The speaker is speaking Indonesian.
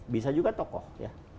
bisa juga tokoh ya